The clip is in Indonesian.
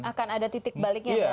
akan ada titik baliknya berarti ya